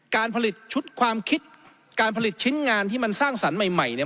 การผลิตชุดความคิดการผลิตชิ้นงานที่มันสร้างสรรค์ใหม่เนี่ย